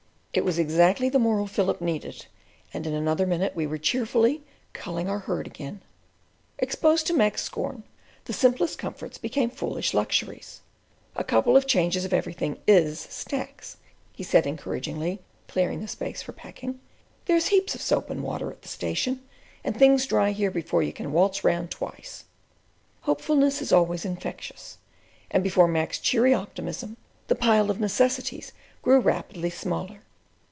It was exactly the moral fillip needed, and in another minute we were cheerfully "culling our herd" again. Exposed to Mac's scorn, the simplest comforts became foolish luxuries. "A couple of changes of everything is stacks," he said encouragingly, clearing a space for packing. "There's heaps of soap and water at the station, and things dry here before you can waltz round twice." Hopefulness is always infectious, and before Mac's cheery optimism the pile of necessities grew rapidly smaller.